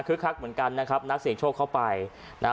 คือคักเหมือนกันนะครับนักเสียงโชคเข้าไปนะฮะ